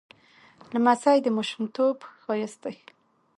لمسی د ماشومتوب ښایست لري.